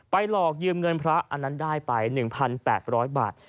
หลอกยืมเงินพระอันนั้นได้ไป๑๘๐๐บาท